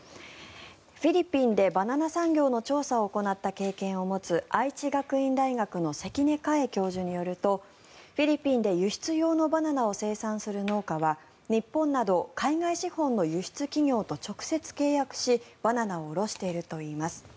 フィリピンでバナナ産業の調査を行った経験を持つ愛知学院大学の関根佳恵教授によるとフィリピンで輸出用のバナナを生産する農家は日本など海外資本の輸出企業と直接契約しバナナを卸しているといいます。